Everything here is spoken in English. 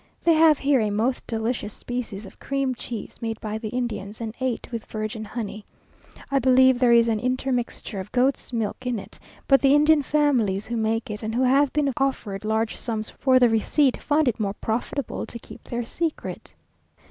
They have here a most delicious species of cream cheese made by the Indians, and ate with virgin honey. I believe there is an intermixture of goats' milk in it; but the Indian families who make it, and who have been offered large sums for the receipt, find it more profitable to keep their secret.